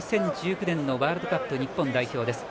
２０１９年のワールドカップ日本代表です。